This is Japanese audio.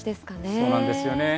そうなんですよね。